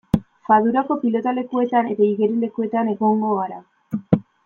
Fadurako pilotalekuetan eta igerilekuetan egongo gara.